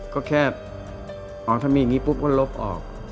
ก็แค่อ๋อถ้ามีอย่างนี้ปุ๊บก็ลบออก